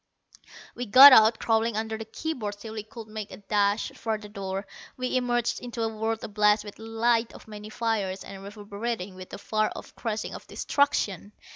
We got out, crawling under the key boards till we could make a dash for the door. We emerged into a world ablaze with the light of many fires, and reverberating with the far off crashing of destruction.